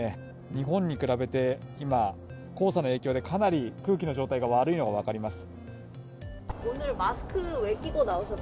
日本に比べて今、黄砂の影響で、かなり空気の状態が悪いのが分かります。